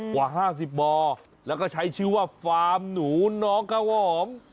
กว่า๕๐บ่อแล้วก็ใช้ชื่อว่าฟาร์มหนูน้องก้าวหอม